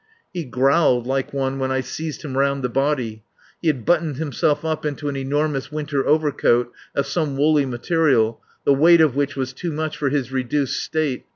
He growled like one when I seized him round the body. He had buttoned himself up into an enormous winter overcoat of some woolly material, the weight of which was too much for his reduced state.